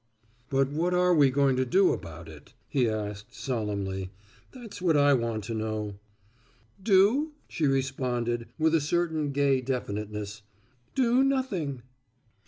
"But what are we going to do about it?" he asked solemnly, "that's what I want to know." "Do?" she responded with a certain gay definiteness, "do nothing."